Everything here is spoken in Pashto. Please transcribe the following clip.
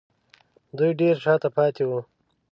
دوی ډېر شا ته پاتې وو